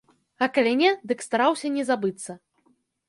А калі не, дык стараўся не забыцца.